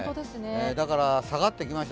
だから下がってきました。